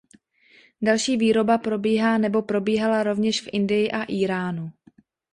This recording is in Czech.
Další výroba probíhá nebo probíhala rovněž v Indii a Íránu.